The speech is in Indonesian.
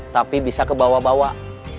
tapi bisa ke bawah bawah